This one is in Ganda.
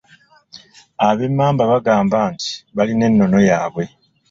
Ab'Emmamba bagamba nti balina ennono yaabwe.